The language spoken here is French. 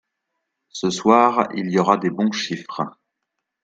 Ce soir, il y aura des bons chiffres